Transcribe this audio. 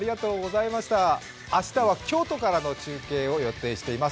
明日は京都からの中継を予定しています。